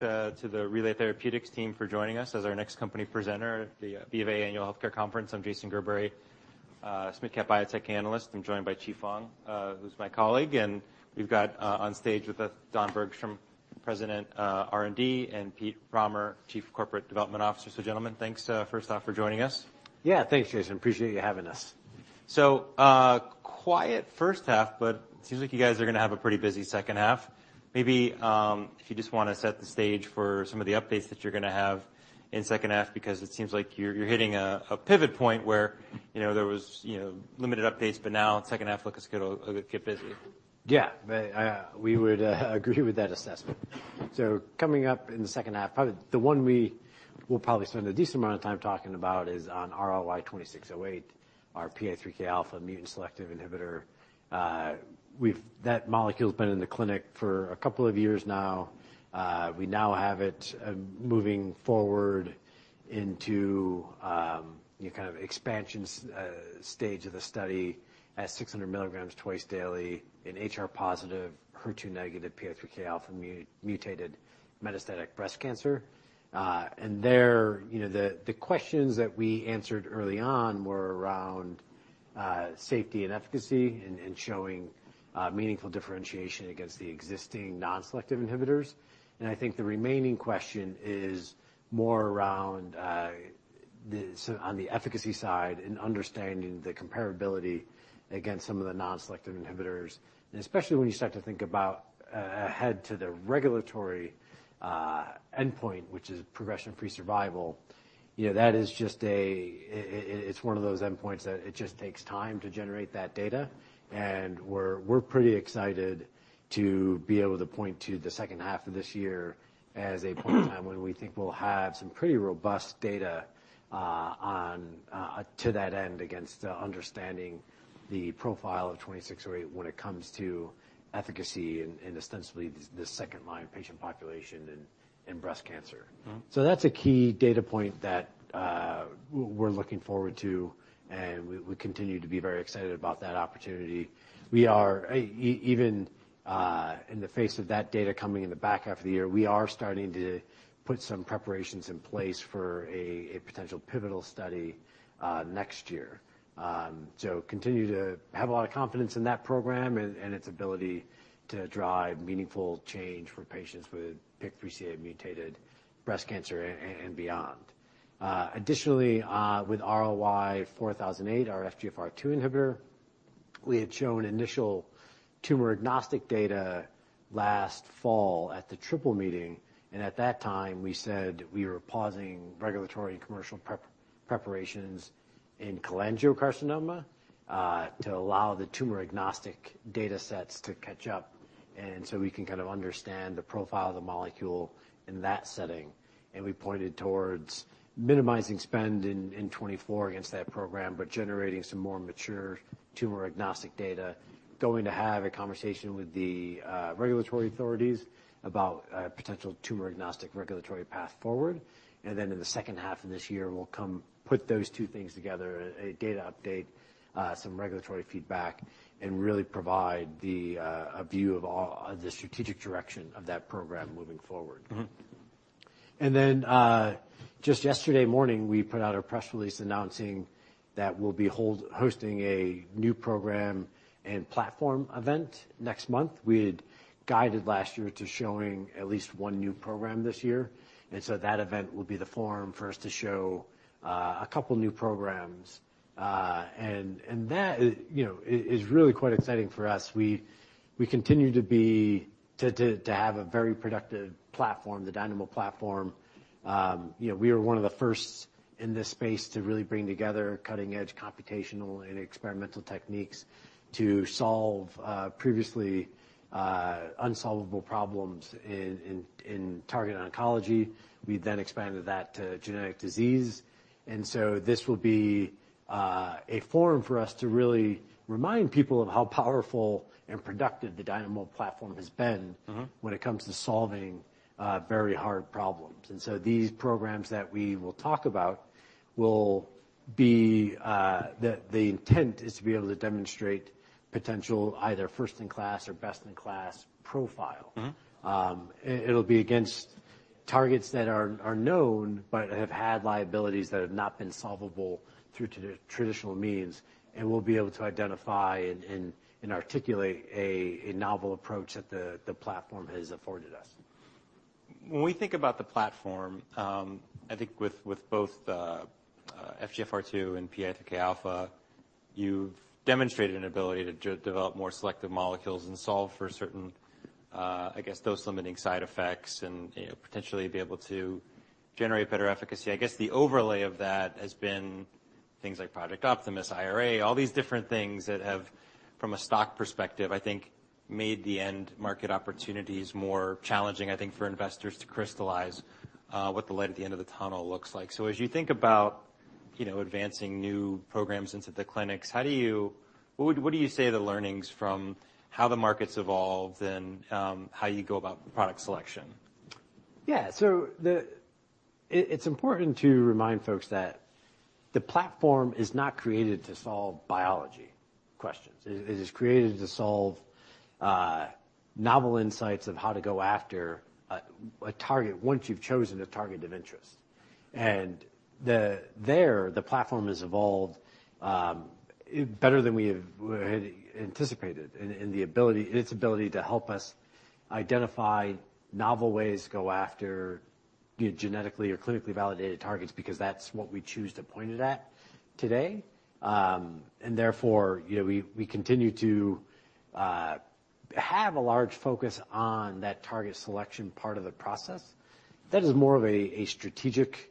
To the Relay Therapeutics team for joining us as our next company presenter at the SVB Annual Healthcare Conference. I'm Jason Gerberry, Leerink Partners biotech analyst. I'm joined by Qi Fang, who's my colleague. We've got on stage with us Don Bergstrom, President, R&D, and Pete Rahmer, Chief Corporate Development Officer. So, gentlemen, thanks, first off, for joining us. Yeah, thanks, Jason. Appreciate you having us. So, quiet first half, but it seems like you guys are going to have a pretty busy second half. Maybe, if you just want to set the stage for some of the updates that you're going to have in second half, because it seems like you're hitting a pivot point where, you know, there was, you know, limited updates, but now second half looks like it'll get busy. Yeah, we would agree with that assessment. So, coming up in the second half, probably the one we will probably spend a decent amount of time talking about is on RLY-2608, our PI3K alpha mutant selective inhibitor. We have that molecule's been in the clinic for a couple of years now. We now have it moving forward into, you know, kind of expansion stage of the study at 600 milligrams twice daily in HR-positive, HER2-negative, PI3K alpha mutated metastatic breast cancer. And there, you know, the questions that we answered early on were around safety and efficacy and showing meaningful differentiation against the existing non-selective inhibitors. And I think the remaining question is more around the on the efficacy side and understanding the comparability against some of the non-selective inhibitors. And especially when you start to think about ahead to the regulatory endpoint, which is progression-free survival, you know, that is just, it's one of those endpoints that it just takes time to generate that data. And we're pretty excited to be able to point to the second half of this year as a point in time when we think we'll have some pretty robust data on to that end against understanding the profile of 2608 when it comes to efficacy and ostensibly the second-line patient population and breast cancer. So that's a key data point that we're looking forward to, and we continue to be very excited about that opportunity. We are even, in the face of that data coming in the back half of the year, starting to put some preparations in place for a potential pivotal study next year. Continue to have a lot of confidence in that program and its ability to drive meaningful change for patients with PIK3CA-mutated breast cancer and beyond. Additionally, with RLY-4008, our FGFR2 inhibitor, we had shown initial tumor agnostic data last fall at the Triple Meeting. And at that time, we said we were pausing regulatory and commercial preparations in cholangiocarcinoma, to allow the tumor agnostic data sets to catch up and so we can kind of understand the profile of the molecule in that setting. And we pointed towards minimizing spend in 2024 against that program, but generating some more mature tumor agnostic data, going to have a conversation with the regulatory authorities about a potential tumor agnostic regulatory path forward. And then in the second half of this year, we'll put those two things together, a data update, some regulatory feedback, and really provide a view of the strategic direction of that program moving forward. And then, just yesterday morning, we put out a press release announcing that we'll be hosting a new program and platform event next month. We had guided last year to showing at least one new program this year. And so that event will be the forum for us to show a couple of new programs. And that, you know, is really quite exciting for us. We continue to have a very productive platform, the Dynamo platform. You know, we were one of the first in this space to really bring together cutting-edge computational and experimental techniques to solve previously unsolvable problems in targeted oncology. We then expanded that to genetic disease. This will be a forum for us to really remind people of how powerful and productive the Dynamo platform has been when it comes to solving very hard problems. These programs that we will talk about will be. The intent is to be able to demonstrate potential either first-in-class or best-in-class profile. It'll be against targets that are known but have had liabilities that have not been solvable through traditional means. We'll be able to identify and articulate a novel approach that the platform has afforded us. When we think about the platform, I think with both FGFR2 and PI3K alpha, you've demonstrated an ability to develop more selective molecules and solve for certain, I guess, those limiting side effects and potentially be able to generate better efficacy. I guess the overlay of that has been things like Project Optimus, IRA, all these different things that have, from a stock perspective, I think made the end market opportunities more challenging, I think, for investors to crystallize what the light at the end of the tunnel looks like. So as you think about, you know, advancing new programs into the clinics, how do you what do you say the learnings from how the market's evolved and how you go about product selection? Yeah, so it's important to remind folks that the platform is not created to solve biology questions. It is created to solve novel insights of how to go after a target once you've chosen a target of interest. And there, the platform has evolved better than we had anticipated in its ability to help us identify novel ways to go after genetically or clinically validated targets, because that's what we choose to point it at today. And therefore, you know, we continue to have a large focus on that target selection part of the process. That is more of a strategic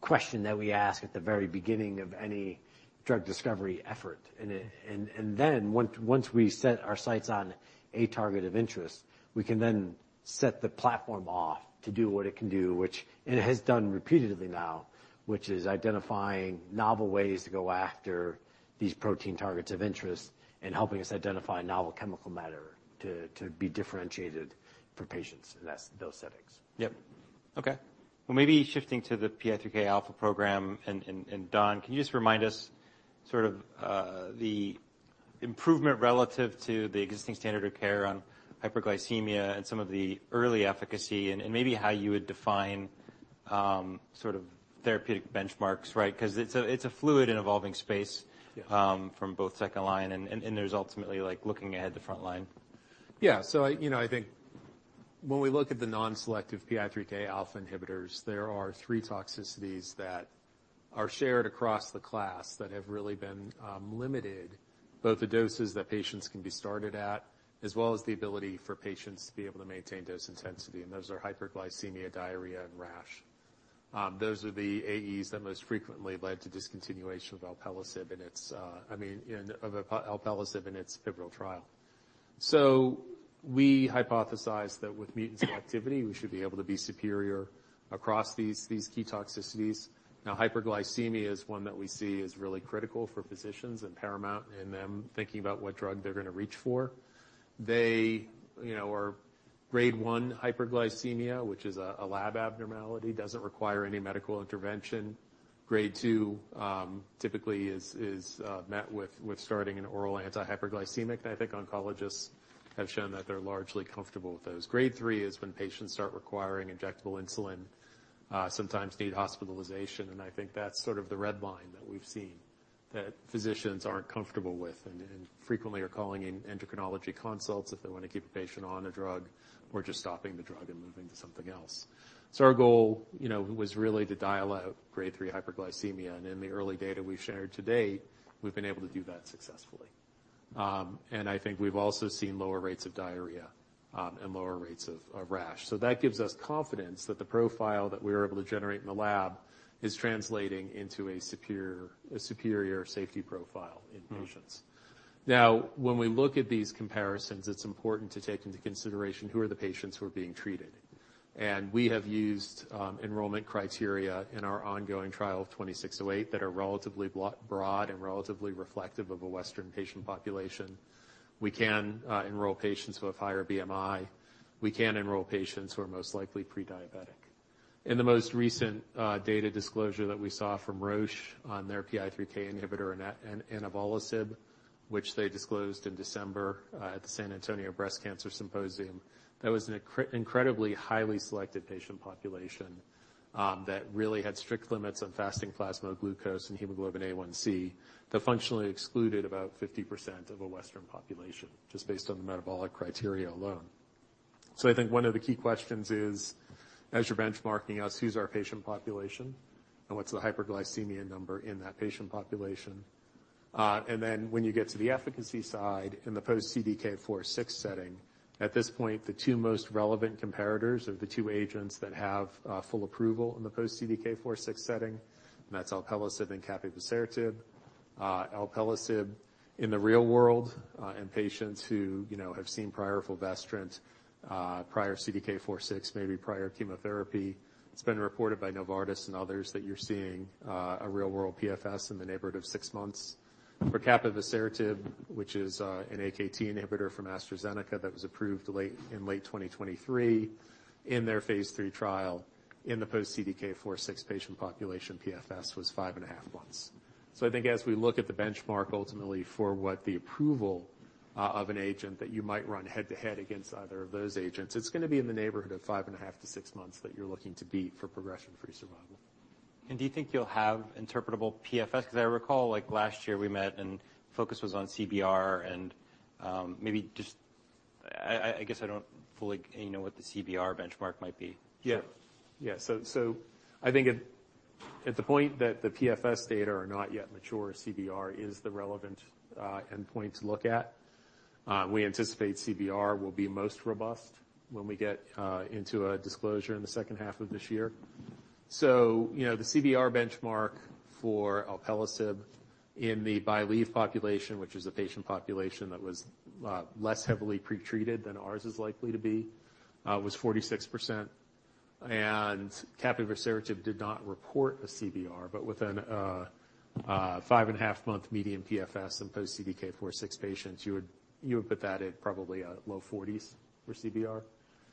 question that we ask at the very beginning of any drug discovery effort. And then once we set our sights on a target of interest, we can then set the platform off to do what it can do, which it has done repeatedly now, which is identifying novel ways to go after these protein targets of interest and helping us identify novel chemical matter to be differentiated for patients in those settings. Yep. Okay. Well, maybe shifting to the PI3K alpha program. And Don, can you just remind us sort of the improvement relative to the existing standard of care on hyperglycemia and some of the early efficacy and maybe how you would define sort of therapeutic benchmarks, right? Because it's a fluid and evolving space from both second line and there's ultimately like looking ahead to front line. Yeah. So, you know, I think when we look at the non-selective PI3K alpha inhibitors, there are three toxicities that are shared across the class that have really been limited, both the doses that patients can be started at as well as the ability for patients to be able to maintain dose intensity. And those are hyperglycemia, diarrhea, and rash. Those are the AEs that most frequently led to discontinuation of alpelisib and its—I mean, of alpelisib and its pivotal trial. So, we hypothesize that with mutant selectivity, we should be able to be superior across these key toxicities. Now, hyperglycemia is one that we see is really critical for physicians and paramount in them thinking about what drug they're going to reach for. They, you know, are grade 1 hyperglycemia, which is a lab abnormality, doesn't require any medical intervention. Grade two typically is met with starting an oral anti-hyperglycemic. I think oncologists have shown that they're largely comfortable with those. Grade three is when patients start requiring injectable insulin, sometimes need hospitalization. I think that's sort of the red line that we've seen that physicians aren't comfortable with and frequently are calling endocrinology consults if they want to keep a patient on a drug or just stopping the drug and moving to something else. Our goal, you know, was really to dial out grade three hyperglycemia. In the early data we've shared to date, we've been able to do that successfully. I think we've also seen lower rates of diarrhea and lower rates of rash. That gives us confidence that the profile that we were able to generate in the lab is translating into a superior safety profile in patients. Now, when we look at these comparisons, it's important to take into consideration who are the patients who are being treated. We have used enrollment criteria in our ongoing trial of 2608 that are relatively broad and relatively reflective of a Western patient population. We can enroll patients who have higher BMI. We can enroll patients who are most likely prediabetic. In the most recent data disclosure that we saw from Roche on their PI3K inhibitor inavolisib, which they disclosed in December at the San Antonio Breast Cancer Symposium, that was an incredibly highly selected patient population that really had strict limits on fasting plasma glucose and hemoglobin A1c that functionally excluded about 50% of a Western population just based on the metabolic criteria alone. So, I think one of the key questions is, as you're benchmarking us, who's our patient population and what's the hyperglycemia number in that patient population? And then when you get to the efficacy side in the post-CDK4/6 setting, at this point, the two most relevant comparators are the two agents that have full approval in the post-CDK4/6 setting. And that's alpelisib and capivasertib. Alpelisib in the real world in patients who, you know, have seen prior fulvestrant, prior CDK4/6, maybe prior chemotherapy. It's been reported by Novartis and others that you're seeing a real-world PFS in the neighborhood of six months. For capivasertib, which is an AKT inhibitor from AstraZeneca that was approved in late 2023 in their phase three trial in the post-CDK4/6 patient population, PFS was five and a half months. I think as we look at the benchmark ultimately for what the approval of an agent that you might run head to head against either of those agents, it's going to be in the neighborhood of 5.5-6 months that you're looking to beat for progression-free survival. Do you think you'll have interpretable PFS? Because I recall, like, last year we met and focus was on CBR and maybe just I guess I don't fully know what the CBR benchmark might be. Yeah. Yeah. So I think at the point that the PFS data are not yet mature, CBR is the relevant endpoint to look at. We anticipate CBR will be most robust when we get into a disclosure in the second half of this year. So, you know, the CBR benchmark for alpelisib in the BYLEEVE population, which is the patient population that was less heavily pretreated than ours is likely to be, was 46%. And capivasertib did not report a CBR, but with a 5.5-month median PFS in post-CDK4/6 patients, you would put that at probably a low 40s for CBR.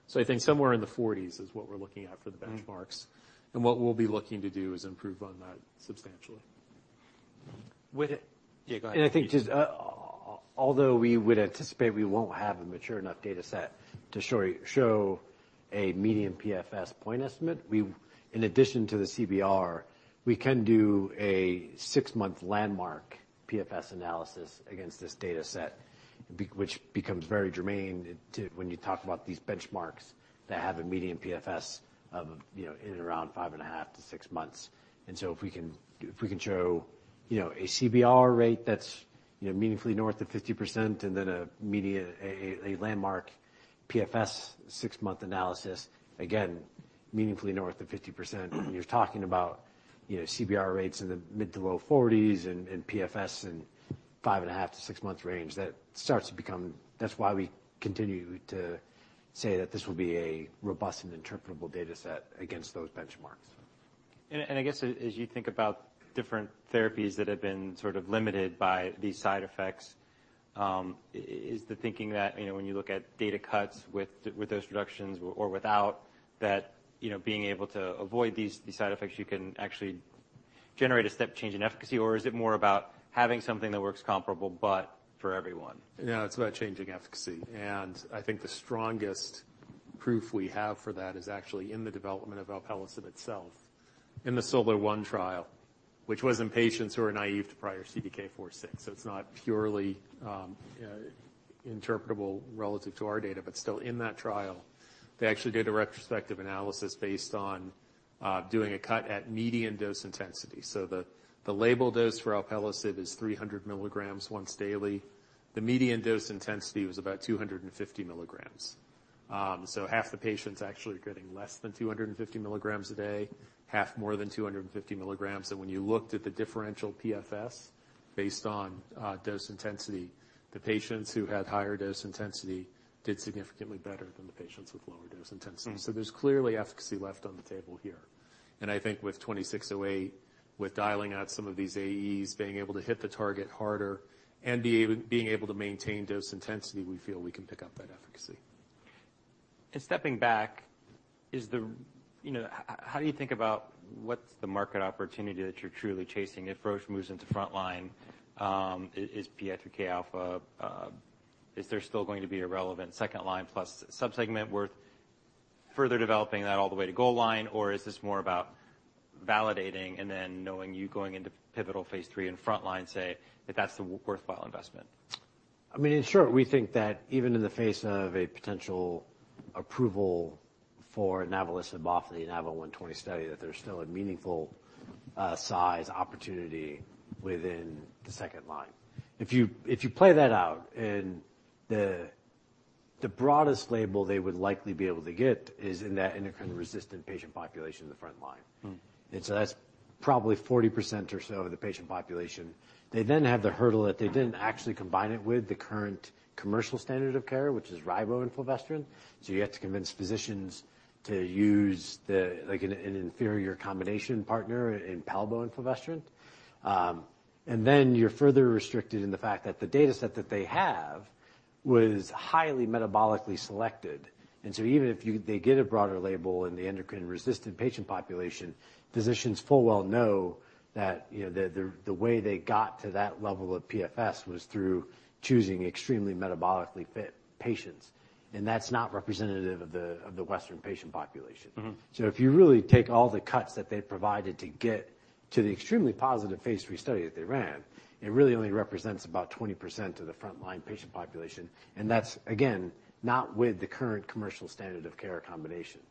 So I think somewhere in the 40s is what we're looking at for the benchmarks. And what we'll be looking to do is improve on that substantially. With it. Yeah, go ahead. And I think just although we would anticipate we won't have a mature enough data set to show a median PFS point estimate, in addition to the CBR, we can do a six-month landmark PFS analysis against this data set, which becomes very germane when you talk about these benchmarks that have a median PFS of, you know, in and around 5.5-6 months. And so if we can show, you know, a CBR rate that's, you know, meaningfully north of 50% and then a median, a landmark PFS six-month analysis, again, meaningfully north of 50%, and you're talking about, you know, CBR rates in the mid- to low 40s and PFS in 5.5-6 months range, that starts to become. That's why we continue to say that this will be a robust and interpretable data set against those benchmarks. I guess as you think about different therapies that have been sort of limited by these side effects, is the thinking that, you know, when you look at data cuts with those reductions or without, that, you know, being able to avoid these side effects, you can actually generate a step change in efficacy? Or is it more about having something that works comparable but for everyone? Yeah, it's about changing efficacy. I think the strongest proof we have for that is actually in the development of alpelisib itself in the SOLAR-1 trial, which was in patients who are naive to prior CDK4/6. So it's not purely interpretable relative to our data, but still in that trial, they actually did a retrospective analysis based on doing a cut at median dose intensity. So the label dose for alpelisib is 300 milligrams once daily. The median dose intensity was about 250 milligrams. So half the patients actually are getting less than 250 milligrams a day, half more than 250 milligrams. And when you looked at the differential PFS based on dose intensity, the patients who had higher dose intensity did significantly better than the patients with lower dose intensity. So there's clearly efficacy left on the table here. I think with 2608, with dialing out some of these AEs, being able to hit the target harder and being able to maintain dose intensity, we feel we can pick up that efficacy. Stepping back, is the, you know, how do you think about what's the market opportunity that you're truly chasing? If Roche moves into front line, is PI3K alpha, is there still going to be a relevant second line plus subsegment worth further developing that all the way to goal line? Or is this more about validating and then knowing you going into pivotal phase three in front line, say, that that's the worthwhile investment? I mean, sure, we think that even in the face of a potential approval for an inavolisib off the INAVO120 study, that there's still a meaningful size opportunity within the second-line. If you play that out, and the broadest label they would likely be able to get is in that endocrine-resistant patient population in the front-line. And so that's probably 40% or so of the patient population. They then have the hurdle that they didn't actually combine it with the current commercial standard of care, which is ribo and fulvestrant. So you have to convince physicians to use the, like, an inferior combination partner in palbo and fulvestrant. And then you're further restricted in the fact that the data set that they have was highly metabolically selected. Even if they get a broader label in the endocrine-resistant patient population, physicians full well know that, you know, the way they got to that level of PFS was through choosing extremely metabolically fit patients. That's not representative of the Western patient population. If you really take all the cuts that they provided to get to the extremely positive phase 3 study that they ran, it really only represents about 20% of the front line patient population. That's, again, not with the current commercial standard of care combination.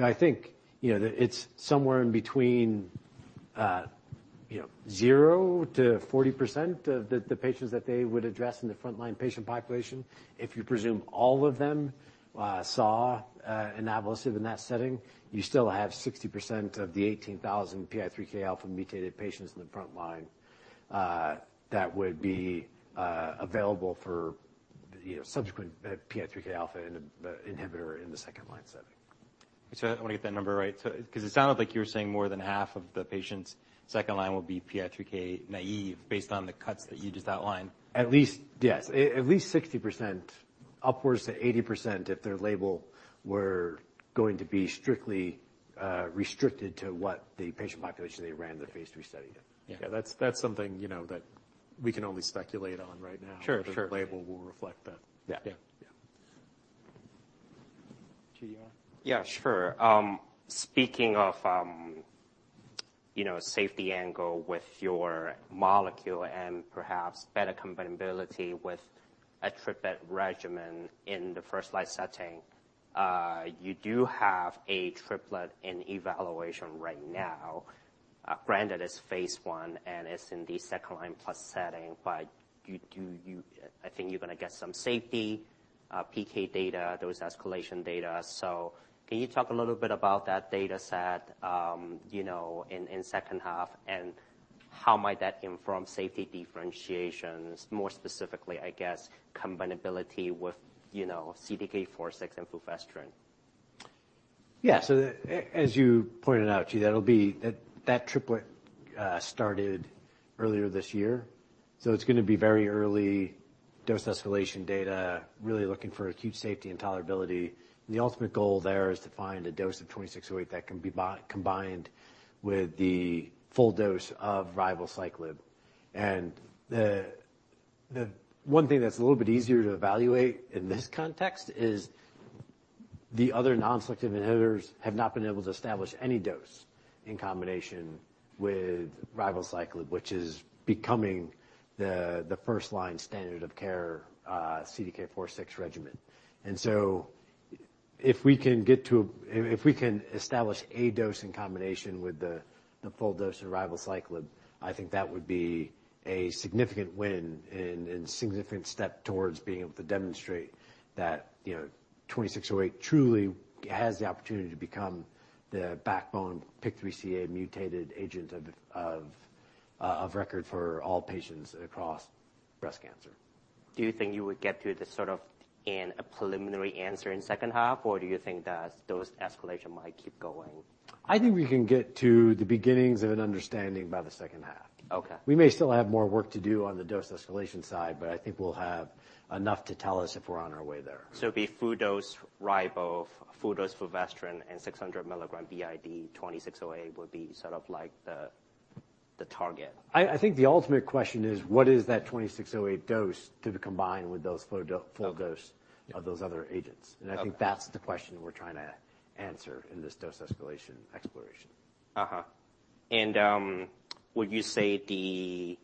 I think, you know, it's somewhere in between, you know, 0%-40% of the patients that they would address in the front line patient population. If you presume all of them saw alpelisib in that setting, you still have 60% of the 18,000 PI3K alpha mutated patients in the front line that would be available for, you know, subsequent PI3K alpha inhibitor in the second line setting. I want to get that number right. Because it sounded like you were saying more than half of the patients' second line will be PI3K naive based on the cuts that you just outlined. At least, yes. At least 60%-80% if their label were going to be strictly restricted to what the patient population they ran the phase 3 study in. Yeah. That's something, you know, that we can only speculate on right now. Sure. Sure. Label will reflect that. Yeah. Yeah. Yeah. GDR? Yeah, sure. Speaking of, you know, safety angle with your molecule and perhaps better compatibility with a triplet regimen in the first line setting, you do have a triplet in evaluation right now. Granted, it's phase 1 and it's in the second line plus setting, but you do, I think you're going to get some safety PK data, those escalation data. So, can you talk a little bit about that data set, you know, in second half and how might that inform safety differentiations? More specifically, I guess, compatibility with, you know, CDK4/6 and fulvestrant. Yeah. So as you pointed out, that'll be that triplet started earlier this year. So it's going to be very early dose escalation data, really looking for acute safety and tolerability. And the ultimate goal there is to find a dose of 2608 that can be combined with the full dose of ribociclib. And the one thing that's a little bit easier to evaluate in this context is the other non-selective inhibitors have not been able to establish any dose in combination with ribociclib, which is becoming the first-line standard of care CDK4/6 regimen. And so if we can establish a dose in combination with the full dose of ribociclib, I think that would be a significant win and significant step towards being able to demonstrate that, you know, 2608 truly has the opportunity to become the backbone PIK3CA mutated agent of record for all patients across breast cancer. Do you think you would get to the sort of in a preliminary answer in second half, or do you think that those escalation might keep going? I think we can get to the beginnings of an understanding by the second half. We may still have more work to do on the dose escalation side, but I think we'll have enough to tell us if we're on our way there. So it'd be full dose ribo, full dose fulvestrant, and 600 milligram b.i.d. 2608 would be sort of like the target. I think the ultimate question is, what is that 2608 dose to be combined with those full doses of those other agents? And I think that's the question we're trying to answer in this dose escalation exploration. Would you say the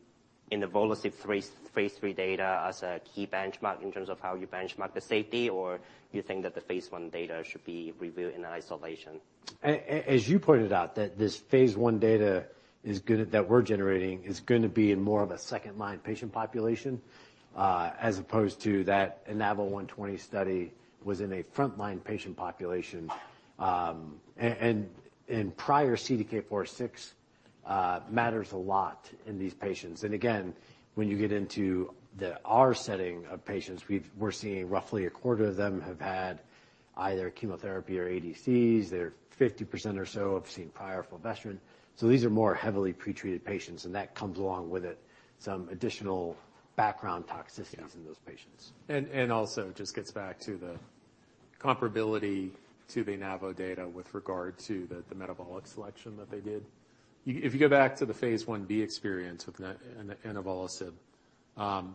alpelisib phase 3 data as a key benchmark in terms of how you benchmark the safety, or do you think that the phase 1 data should be reviewed in isolation? As you pointed out, that this phase 1 data is good that we're generating is going to be in more of a second-line patient population as opposed to that INAVO120 study was in a front-line patient population. Prior CDK4/6 matters a lot in these patients. Again, when you get into the advanced setting of patients, we're seeing roughly a quarter of them have had either chemotherapy or ADCs. They're 50% or so have seen prior fulvestrant. These are more heavily pretreated patients, and that comes along with it some additional background toxicities in those patients. And also just gets back to the comparability to the INAVO data with regard to the metabolic selection that they did. If you go back to the phase 1B experience with alpelisib,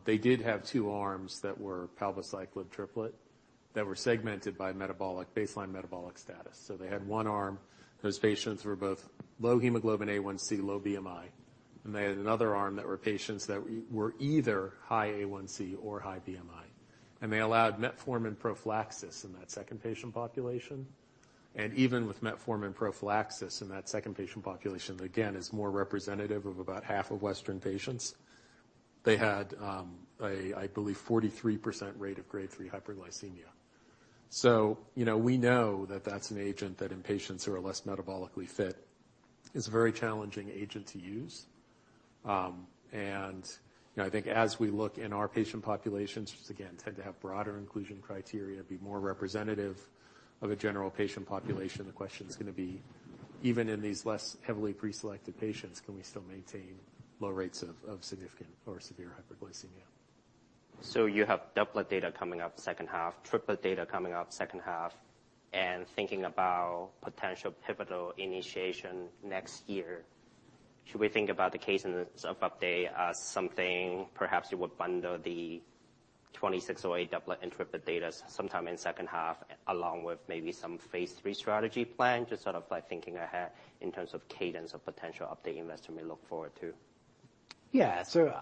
they did have two arms that were palbociclib triplet that were segmented by baseline metabolic status. So they had one arm, those patients were both low hemoglobin A1c, low BMI, and they had another arm that were patients that were either high A1c or high BMI. And they allowed metformin prophylaxis in that second patient population. And even with metformin prophylaxis in that second patient population, again, is more representative of about half of Western patients, they had, I believe, 43% rate of grade 3 hyperglycemia. So, you know, we know that that's an agent that in patients who are less metabolically fit is a very challenging agent to use. You know, I think as we look in our patient populations, which again tend to have broader inclusion criteria, be more representative of a general patient population, the question is going to be, even in these less heavily preselected patients, can we still maintain low rates of significant or severe hyperglycemia? So you have double data coming up second half, triple data coming up second half, and thinking about potential pivotal initiation next year, should we think about the case of update as something perhaps you would bundle the 2608 double and triple data sometime in second half along with maybe some phase three strategy plan, just sort of like thinking ahead in terms of cadence of potential update investment we look forward to? Yeah. So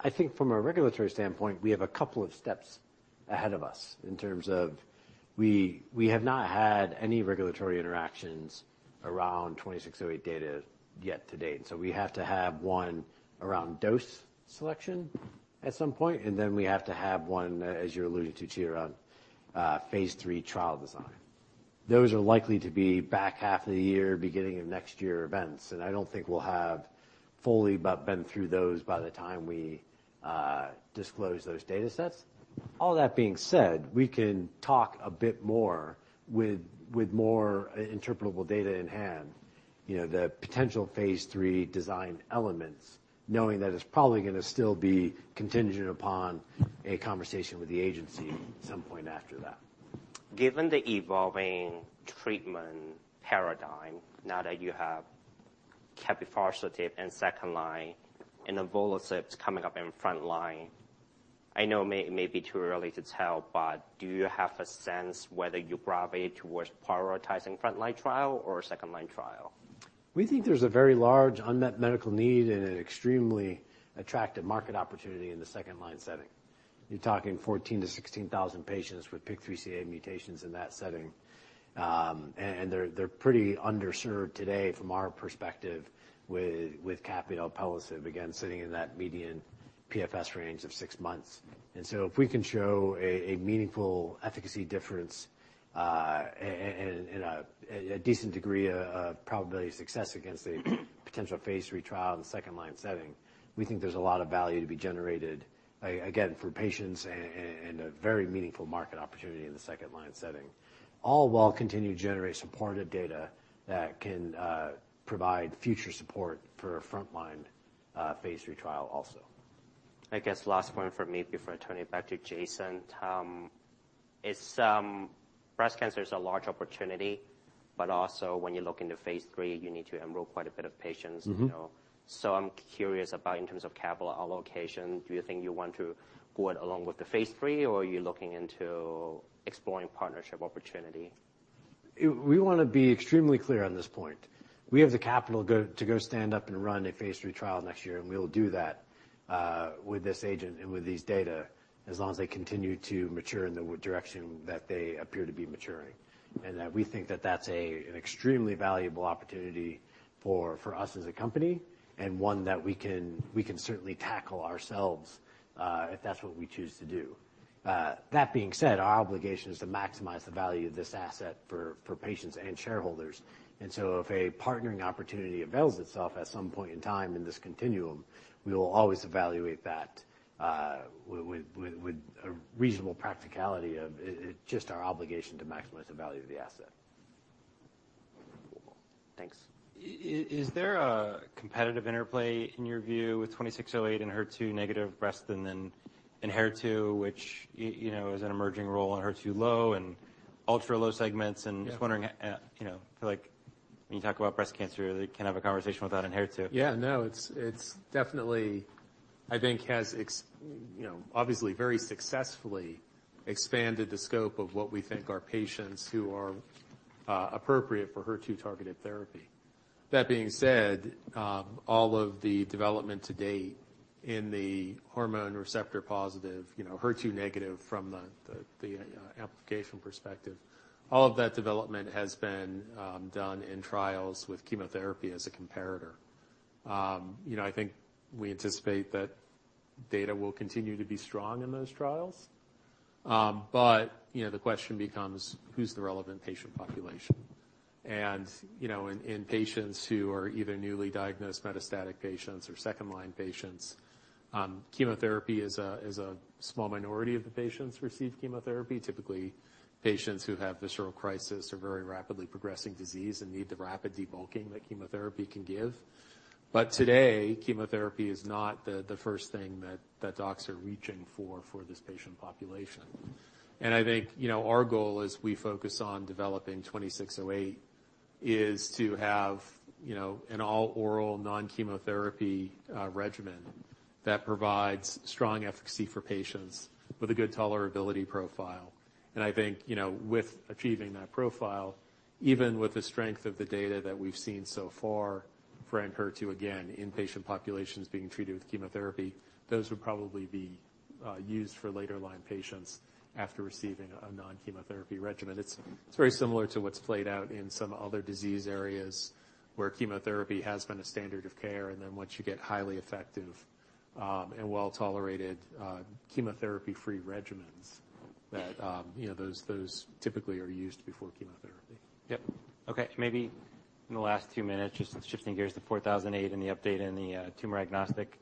I think from a regulatory standpoint, we have a couple of steps ahead of us in terms of we have not had any regulatory interactions around 2608 data yet to date. And so we have to have one around dose selection at some point, and then we have to have one, as you're alluding to, GDR, on phase 3 trial design. Those are likely to be back half of the year, beginning of next year events. And I don't think we'll have fully been through those by the time we disclose those data sets. All that being said, we can talk a bit more with more interpretable data in hand, you know, the potential phase 3 design elements, knowing that it's probably going to still be contingent upon a conversation with the agency at some point after that. Given the evolving treatment paradigm, now that you have capivasertib and second line and alpelisib coming up in front line, I know it may be too early to tell, but do you have a sense whether you gravitate towards prioritizing front line trial or second line trial? We think there's a very large unmet medical need and an extremely attractive market opportunity in the second line setting. You're talking 14,000-16,000 patients with PIK3CA mutations in that setting. They're pretty underserved today from our perspective with alpelisib, again, sitting in that median PFS range of 6 months. So if we can show a meaningful efficacy difference and a decent degree of probability of success against a potential phase 3 trial in the second line setting, we think there's a lot of value to be generated, again, for patients and a very meaningful market opportunity in the second line setting, all while continuing to generate supportive data that can provide future support for front line phase 3 trial also. I guess last point from me before I turn it back to Jason, Don, is breast cancer is a large opportunity, but also when you look into phase 3, you need to enroll quite a bit of patients, you know? So I'm curious about in terms of capital allocation, do you think you want to go it alone with the phase 3, or are you looking into exploring partnership opportunity? We want to be extremely clear on this point. We have the capital to go stand up and run a phase three trial next year, and we'll do that with this agent and with these data as long as they continue to mature in the direction that they appear to be maturing. We think that that's an extremely valuable opportunity for us as a company and one that we can certainly tackle ourselves if that's what we choose to do. That being said, our obligation is to maximize the value of this asset for patients and shareholders. So if a partnering opportunity avails itself at some point in time in this continuum, we will always evaluate that with a reasonable practicality of, it's just our obligation to maximize the value of the asset. Thanks. Is there a competitive interplay in your view with 2608 and HER2-negative breast and then in HER2, which, you know, is an emerging role on HER2-low and ultra-low segments? Just wondering, you know, I feel like when you talk about breast cancer, they can have a conversation without Enhertu. Yeah, no, it's definitely, I think, has, you know, obviously very successfully expanded the scope of what we think our patients who are appropriate for HER2 targeted therapy. That being said, all of the development to date in the hormone receptor positive, you know, HER2 negative from the application perspective, all of that development has been done in trials with chemotherapy as a comparator. You know, I think we anticipate that data will continue to be strong in those trials. But, you know, the question becomes, who's the relevant patient population? And, you know, in patients who are either newly diagnosed metastatic patients or second line patients, chemotherapy is a small minority of the patients receive chemotherapy, typically patients who have visceral crisis or very rapidly progressing disease and need the rapid debulking that chemotherapy can give. But today, chemotherapy is not the first thing that docs are reaching for this patient population. And I think, you know, our goal as we focus on developing 2608 is to have, you know, an all-oral non-chemotherapy regimen that provides strong efficacy for patients with a good tolerability profile. And I think, you know, with achieving that profile, even with the strength of the data that we've seen so far for Enhertu in HER2-negative patient populations being treated with chemotherapy, those would probably be used for later line patients after receiving a non-chemotherapy regimen. It's very similar to what's played out in some other disease areas where chemotherapy has been a standard of care. And then once you get highly effective and well-tolerated chemotherapy-free regimens that, you know, those typically are used before chemotherapy. Yep. Okay. Maybe in the last 2 minutes, just shifting gears to 4008 and the update in the tumor agnostic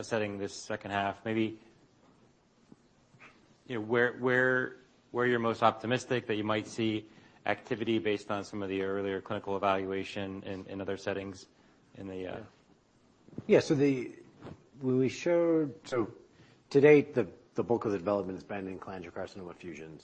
setting this second half, maybe, you know, where you're most optimistic that you might see activity based on some of the earlier clinical evaluation in other settings in the. Yeah. So when we showed so to date, the bulk of the development has been in cholangiocarcinoma fusions.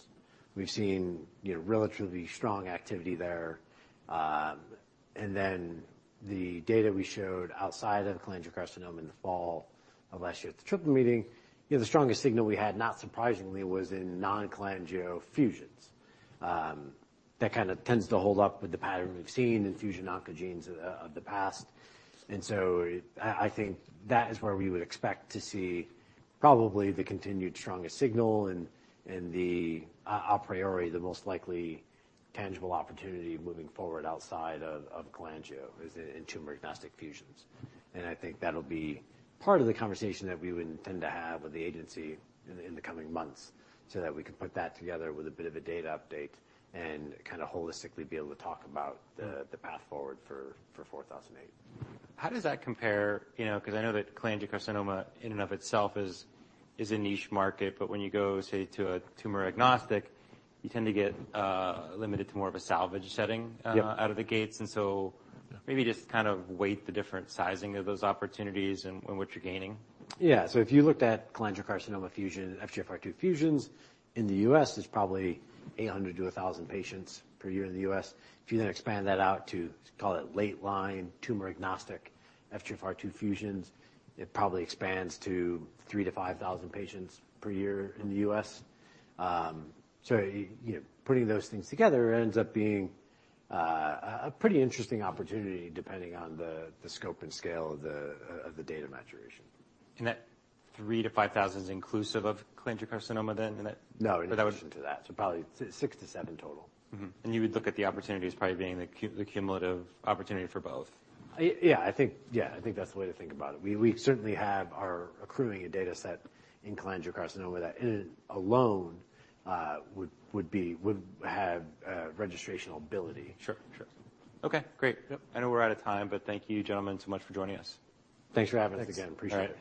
We've seen, you know, relatively strong activity there. And then the data we showed outside of cholangiocarcinoma in the fall of last year at the Triple Meeting, you know, the strongest signal we had, not surprisingly, was in non-cholangio fusions. That kind of tends to hold up with the pattern we've seen in fusion oncogenes of the past. And so I think that is where we would expect to see probably the continued strongest signal and the a priori, the most likely tangible opportunity moving forward outside of cholangio is in tumor agnostic fusions. I think that'll be part of the conversation that we would intend to have with the agency in the coming months so that we can put that together with a bit of a data update and kind of holistically be able to talk about the path forward for 4008. How does that compare, you know, because I know that cholangiocarcinoma in and of itself is a niche market, but when you go, say, to a tumor agnostic, you tend to get limited to more of a salvage setting out of the gates. And so maybe just kind of weigh the different sizing of those opportunities and what you're gaining? Yeah. So if you looked at cholangiocarcinoma fusion, FGFR2 fusions in the U.S., it's probably 800-1,000 patients per year in the U.S. If you then expand that out to call it late line tumor agnostic FGFR2 fusions, it probably expands to 3,000-5,000 patients per year in the U.S. So, you know, putting those things together ends up being a pretty interesting opportunity depending on the scope and scale of the data maturation. That 3,000-5,000 is inclusive of cholangiocarcinoma then? No, in addition to that. So probably 6,000 to 7,000 total. You would look at the opportunities probably being the cumulative opportunity for both. Yeah, I think yeah, I think that's the way to think about it. We certainly have our accruing a data set in cholangiocarcinoma that in and alone would have registration ability. Sure. Sure. Okay. Great. I know we're out of time, but thank you, gentlemen, so much for joining us. Thanks for having us again. Appreciate it.